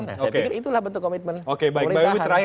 nah saya pikir itulah bentuk komitmen pemerintahan